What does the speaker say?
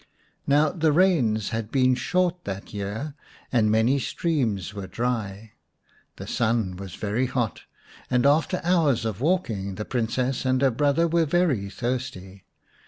Now the rains had been short that year, and many streams were dry. The sun was very hot, and after hours of walking the Princess and her brother were very thirsty.